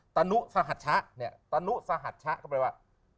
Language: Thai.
ตนุสหัชชะเนี่ยตะนุสหัดชะก็แปลว่า